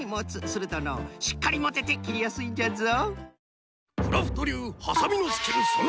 するとのうしっかりもてて切りやすいんじゃぞ。